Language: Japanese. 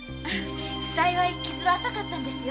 幸い傷は浅かったんです。